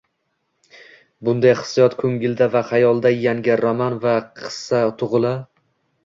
Bunday hissiyot ko’ngilda va xayolda yangi roman yoki qissa tug’ila